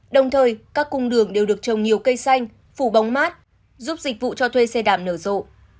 đồng thời các cung đường đều được trồng nhiều cây xanh phủ bóng mát giúp dịch vụ cho thuê xe đạp nở rộ